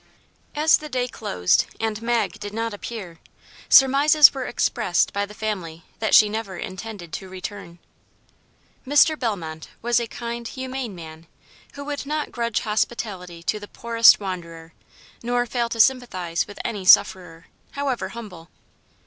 As the day closed and Mag did not appear, surmises were expressed by the family that she never intended to return. Mr. Bellmont was a kind, humane man, who would not grudge hospitality to the poorest wanderer, nor fail to sympathize with any sufferer, however humble.